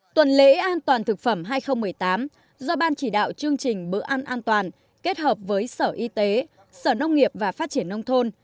tuần lễ an toàn thực phẩm hai nghìn một mươi tám do ban chỉ đạo chương trình bữa ăn an toàn kết hợp với sở y tế sở nông nghiệp và phát triển nông thôn